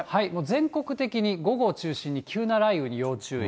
全国的に午後を中心に急な雷雨に要注意。